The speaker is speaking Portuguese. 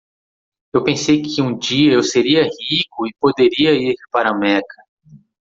Eu pensei que um dia eu seria rico e poderia ir para Meca.